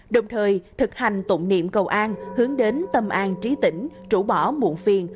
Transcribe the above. đồng thời thực hành tụng niệm cầu an hướng đến tâm an trí tỉnh trũ bỏ muộn phiền